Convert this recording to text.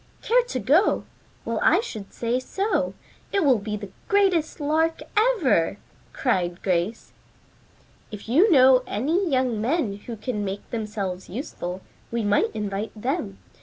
"Care to go? Well I should say so. It will be the greatest lark ever," cried Grace. "If you know any young men who can make themselves useful, we might invite them.